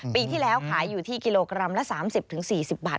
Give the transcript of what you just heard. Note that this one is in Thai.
ปีที่แล้วขายอยู่ที่กิโลกรัมละ๓๐๔๐บาท